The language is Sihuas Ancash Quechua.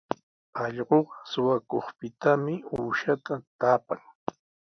Allquqa suqakuqpitami uushata taapan.